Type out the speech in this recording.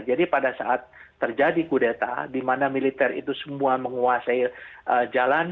jadi pada saat terjadi kudeta di mana militer itu semua menguasai jalan